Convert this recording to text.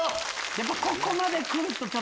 やっぱここまで来ると。